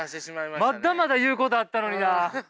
まだまだ言うことあったのにな。